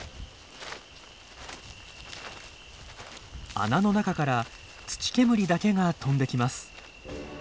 穴の中から土煙だけが飛んできます。